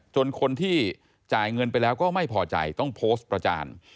คนที่จ่ายเงินไปแล้วก็ไม่พอใจต้องโพสต์ประจาน